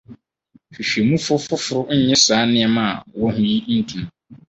Nhwehwɛmufo foforo nnye saa nneɛma a wɔahu yi ntom.